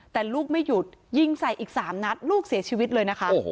แต่ลูกไม่หยุดยิงใส่อีก๓นัดลูกเสียชีวิตเลยนะคะ